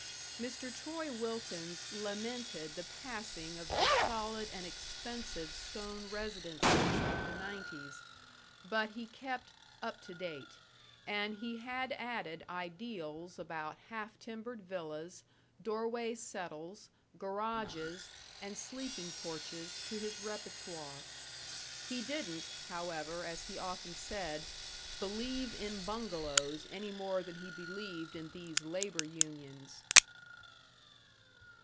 Mr. Troy Wilkins lamented the passing of the solid and expensive stone residences of the nineties, but he kept "up to date," and he had added ideals about half timbered villas, doorway settles, garages, and sleeping porches to his repertoire. He didn't, however, as he often said, "believe in bungalows any more than he believed in these labor unions."